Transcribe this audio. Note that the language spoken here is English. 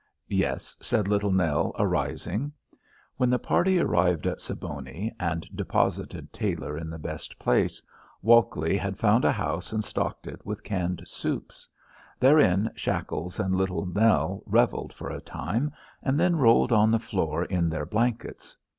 "Yes," said Little Nell, arising. When the party arrived at Siboney, and deposited Tailor in the best place, Walkley had found a house and stocked it with canned soups. Therein Shackles and Little Nell revelled for a time, and then rolled on the floor in their blankets.